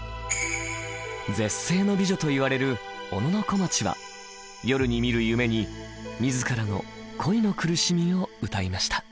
絶世の美女といわれる小野小町は夜に見る「夢」に自らの恋の苦しみを歌いました。